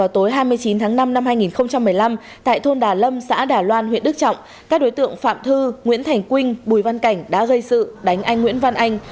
tối hai mươi chín tháng năm năm hai nghìn một mươi năm tại thôn đà lâm xã đà loan huyện đức trọng các đối tượng phạm thư nguyễn thành quynh bùi văn cảnh đã gây sự đánh anh nguyễn văn anh